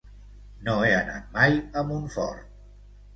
No he anat mai a Montfort.